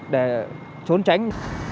để trốn tránh